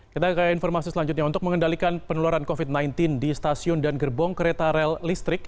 kita ke informasi selanjutnya untuk mengendalikan penularan covid sembilan belas di stasiun dan gerbong kereta rel listrik